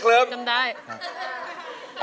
จำดีม